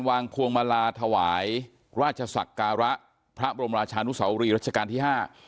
พวงมาลาถวายราชศักระพระบรมราชานุสาวรีรัชกาลที่ห้า